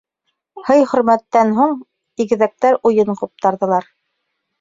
Һый-хөрмәттән һуң игеҙәктәр уйын ҡуптарҙылар.